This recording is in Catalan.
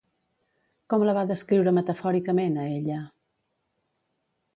Com la va descriure metafòricament, a ella?